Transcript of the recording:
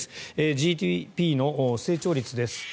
ＧＤＰの成長率です。